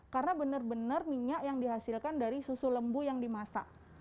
karena benar benar minyak yang dihasilkan dari susu lembu yang dimasak